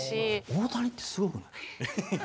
大谷ってすごくない？